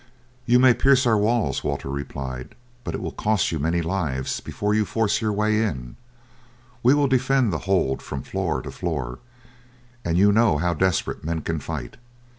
"You may pierce our walls," Walter replied, "but it will cost you many lives before you force your way in; we will defend the hold from floor to floor, and you know how desperate men can fight.